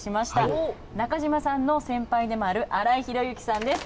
中島さんの先輩でもある新井博之さんです。